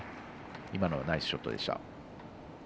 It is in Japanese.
今のはナイスショットでした。